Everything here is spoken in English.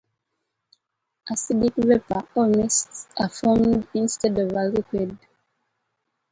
Acidic vapor or mists are formed instead of a liquid.